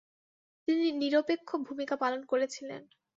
তিনি নিরপেক্ষ ভূমিকা পালন করেছিলেন।